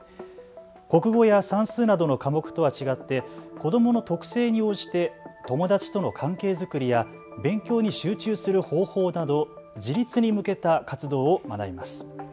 国語や算数などの科目とは違って子どもの特性に応じて友達との関係作りや勉強に集中する方法など自立に向けた活動を学びます。